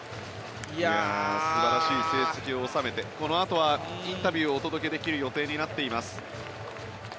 素晴らしい成績を収めてこのあとはインタビューをお届けできる予定になっています。